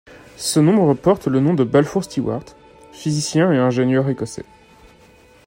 Ce nombre porte le nom de Balfour Stewart, physicien et ingénieur écossais.